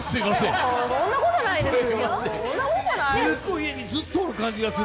そんなことないですよ。